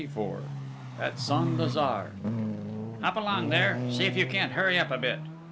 XXIV AT SAINT LAZARE "Hop along there! See if you can't hurry up a bit!"